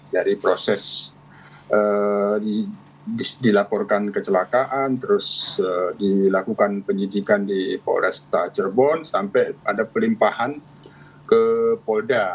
dari proses dilaporkan kecelakaan terus dilakukan penyidikan di polresta cirebon sampai ada pelimpahan ke polda